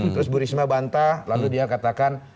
terus bu risma bantah lalu dia katakan